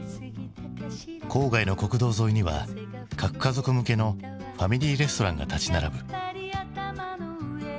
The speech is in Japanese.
郊外の国道沿いには核家族向けのファミリーレストランが立ち並ぶ。